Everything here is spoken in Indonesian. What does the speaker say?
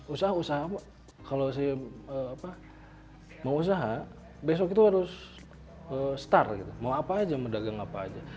usaha usaha apa kalau saya mau usaha besok itu harus start mau apa aja mau dagang apa aja